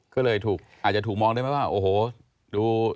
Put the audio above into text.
ก็เลยถูกอาจจะถูกมองได้ไหมว่าโอ้โหดู